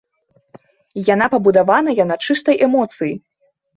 Яна пабудаваная на чыстай эмоцыі.